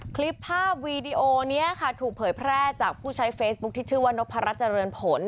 คลิปภาพวีดีโอนี้ค่ะถูกเผยแพร่จากผู้ใช้เฟซบุ๊คที่ชื่อว่านพรัชเจริญผล